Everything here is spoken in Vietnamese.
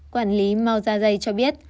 quản lý mao zedai cho biết